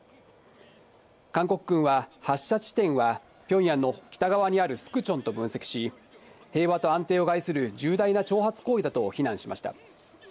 韓国軍は発射地点はピョンヤンの北側にあるスクチョンと分析し、平和と安定を害する重大な挑発行為だと非難しました。